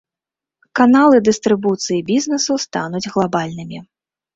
Каналы дыстрыбуцыі бізнэсу стануць глабальнымі.